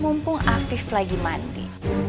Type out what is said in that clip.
mumpung afif lagi mandi